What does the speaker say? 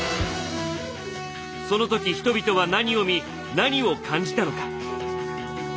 その時人々は何を見何を感じたのか。